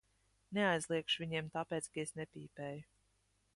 Neaizliegšu viņiem, tāpēc ka es nepīpēju.